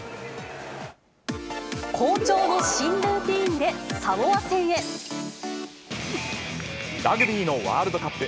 好調の新ルーティンでサモアラグビーのワールドカップ。